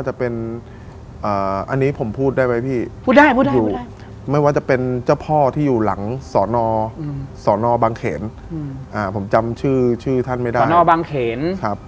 ห้าสิบห้าสิบครับเป็นตายเหมือนกัน